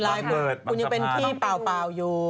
เป็นไรคุณคุณยังเป็นที่เปล่าอยู่